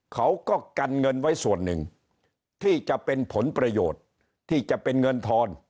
เขาก็กันเงินไว้ส่วนหนึ่งที่จะเป็นผลประโยชน์ที่จะเป็นเงินทอน